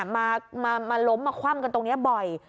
มาล้มมาคว่ำกันตรงนี้บ่อย